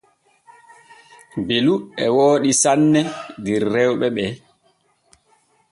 Belu e wooɗi sanne der rewɓe ɓe.